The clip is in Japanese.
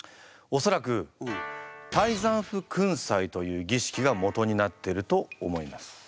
おそらく泰山府君祭という儀式がもとになっていると思います。